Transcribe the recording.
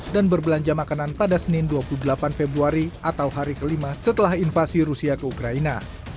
dan berbelanja makanan pada senin dua puluh delapan februari atau hari kelima setelah invasi rusia ke ukraina